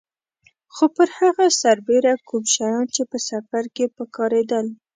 خو پر هغه سربېره کوم شیان چې په سفر کې په کارېدل.